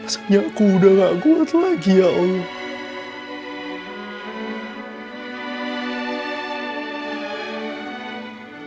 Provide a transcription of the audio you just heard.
masanya aku udah gak kuat lagi ya allah